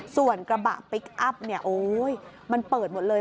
ส่วนกระบะพลิกอัพมันเปิดหมดเลย